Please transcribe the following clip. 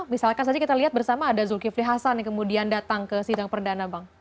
misalkan saja kita lihat bersama ada zulkifli hasan yang kemudian datang ke sidang perdana bang